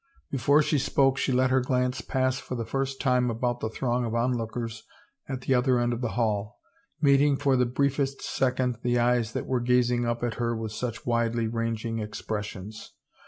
Before she spoke she let her glance pass for the first time about the throng of onlookers at the other end of the hall, meeting for the briefest second the eyes that were gaz ing up at her with such widely ranging expressions.